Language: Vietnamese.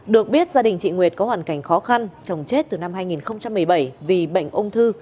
được biết gia đình chị nguyệt có hoàn cảnh khó khăn chồng chết từ năm hai nghìn một mươi bảy vì bệnh ung thư